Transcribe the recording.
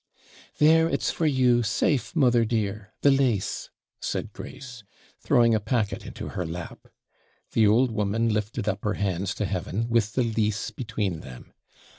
'There it's for you, safe, mother dear the LASE!' said Grace, throwing a packet into her lap. The old woman lifted up her hands to heaven, with the lease between them.